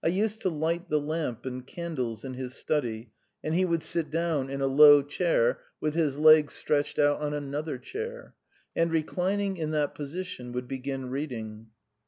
I used to light the lamp and candles in his study, and he would sit down in a low chair with his legs stretched out on another chair, and, reclining in that position, would begin reading.